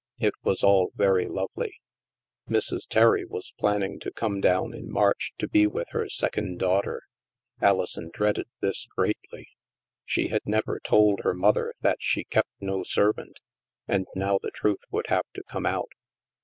It was all very lovely. Mrs. Terry was planning to come down in March to be with her second daughter. Alison dreaded this greatly. She had never told her mother that she kept no servant, and now the truth would have to come out.